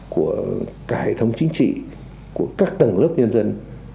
của cả hệ thống chính trị của các tầng lớp nhân dân